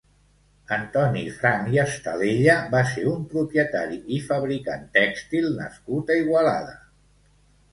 Antoni Franch i Estalella va ser un propietari i fabricant tèxtil nascut a Igualada.